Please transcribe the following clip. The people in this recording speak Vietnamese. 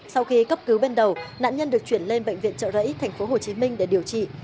sau khi cấp cứu bên đầu nạn nhân được chuyển lên bệnh viện chợ rẫy thành phố hồ chí minh để điều trị